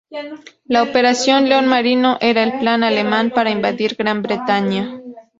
La Operación León Marino era el plan alemán para invadir Gran Bretaña.